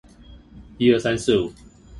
辛志平校長故居